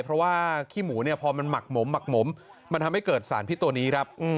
เพราะว่าขี้หมูเนี่ยพอมันหมักหมมหมักหมมมันทำให้เกิดสารพิษตัวนี้ครับ